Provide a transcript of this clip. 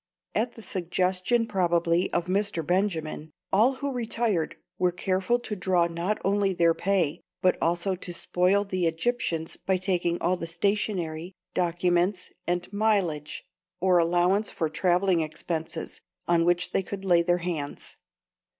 At the suggestion probably of Mr. Benjamin, all who retired were careful to draw not only their pay, but also to spoil the Egyptians by taking all the stationery, documents, and "mileage," or allowance for travelling expenses, on which they could lay their hands.